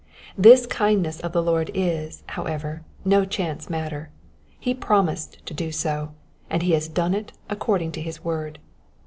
This kindness of the Lord is, however, no chance matter : he promised to do so, and he has done it according to his word.